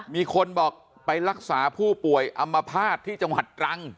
มีคนบอกไปรักษาผู้ป่วยอำมภาษณ์ที่จังหวัดตรัง